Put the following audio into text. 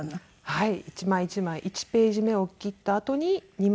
はい。